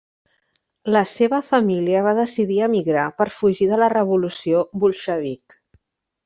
La seva família va decidir emigrar per fugir de la Revolució bolxevic.